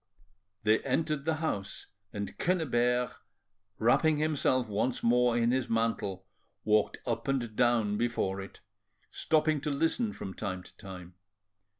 They entered the house, and Quennebert, wrapping himself once more in his mantle, walked up and down before it, stopping to listen from time to time.